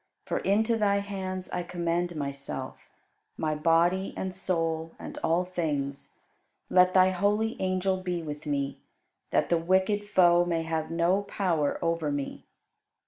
For into Thy hands I commend myself, my body and soul, and all things. Let Thy holy angel be with me, that the wicked Foe may have no power over me.